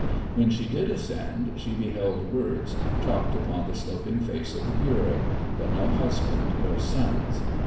When she did descend she beheld words chalked upon the sloping face of the bureau; but no husband or sons.